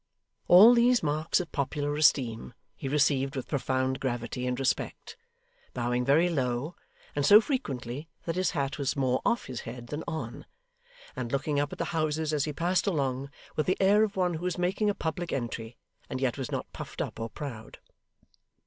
All these marks of popular esteem, he received with profound gravity and respect; bowing very low, and so frequently that his hat was more off his head than on; and looking up at the houses as he passed along, with the air of one who was making a public entry, and yet was not puffed up or proud.